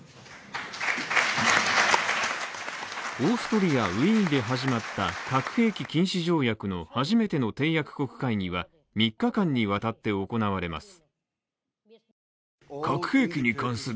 オーストリア・ウィーンで始まった核兵器禁止条約の初めての締約国会議は３日間にわたって行われます。